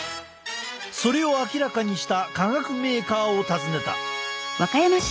それを明らかにした化学メーカーを訪ねた。